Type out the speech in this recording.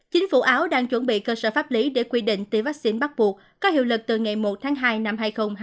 chính phủ áo đang chuẩn bị cơ sở pháp lý để quy định tiêm vaccine bắt buộc có hiệu lực từ ngày một tháng hai năm hai nghìn hai mươi